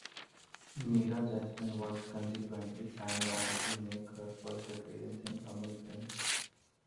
Meera Jasmine was consequently signed on to make her first appearance in Tamil films.